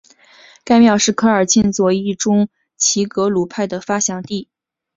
该庙是科尔沁左翼中旗格鲁派的发祥地。